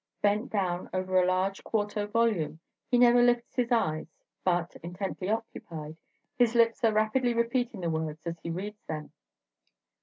Bent down over a large quarto volume, he never lifts his eyes; but, intently occupied, his lips are rapidly repeating the words as he reads them.